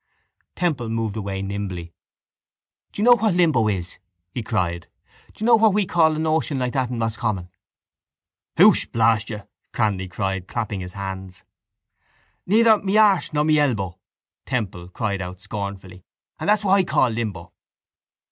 Temple moved away nimbly. —Do you know what limbo is? he cried. Do you know what we call a notion like that in Roscommon? —Hoosh! Blast you! Cranly cried, clapping his hands. —Neither my arse nor my elbow! Temple cried out scornfully. And that's what I call limbo.